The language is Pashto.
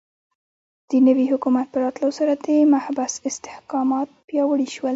د نوي حکومت په راتلو سره د محبس استحکامات پیاوړي شول.